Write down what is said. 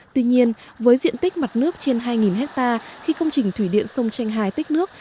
tuy nhiên với diện tích mặt nước trên hai hectare khi công trình thủy điện sông tranh hai tích nước